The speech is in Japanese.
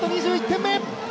２１点目。